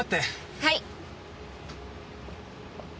はい。